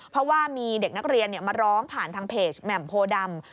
เพราะว่ามีเด็กนักเรียนมาร้องผ่านทางเพจแหม่มโพดำ